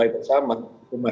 tidak menutup kemungkinan